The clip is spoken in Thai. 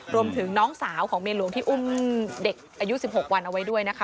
รวมถึงน้องสาวของเมียหลวงที่อุ้มเด็กอายุ๑๖วันเอาไว้ด้วยนะคะ